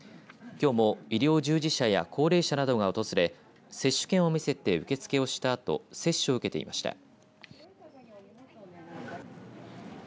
きょうも医療従事者や高齢者などが訪れ接種券を見せて受け付けをしたあと接種を受けていました。